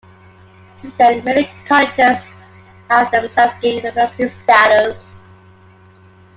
Since then many colleges have themselves gained university status.